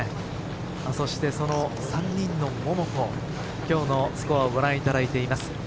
そしてその３人の桃子、今日のスコアをご覧いただいています。